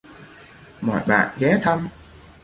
Mọi bạn ghé thăm